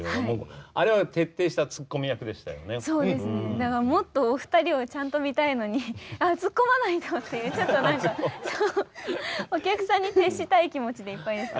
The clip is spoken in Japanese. だからもっとお二人をちゃんと見たいのにあっツッコまないと！っていうちょっと何かお客さんに徹したい気持ちでいっぱいでした。